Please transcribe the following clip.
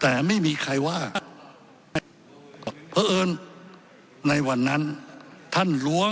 แต่ไม่มีใครว่าเพราะเอิญในวันนั้นท่านรู้ว่า